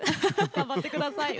頑張ってください。